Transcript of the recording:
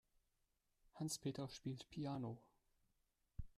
Hans-Peter spielt Piano.